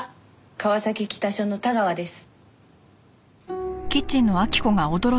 川崎北署の田川です。